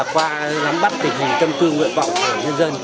qua gắn bắt tình hình tâm cư nguyện vọng của nhân dân